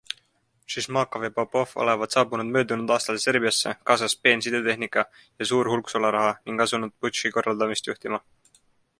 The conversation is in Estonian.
Šišmakov ja Popov olevat saabunud möödunud aastal Serbiasse, kaasas peen sidetehnika ja suur hulk sularaha ning asunud putši korraldamist juhtima.